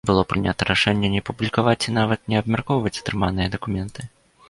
Было прынята рашэнне не публікаваць і нават не абмяркоўваць атрыманыя дакументы.